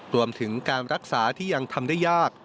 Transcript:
รวมถึงการรักษาที่ยังทำได้ยาก